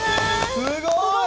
すごい！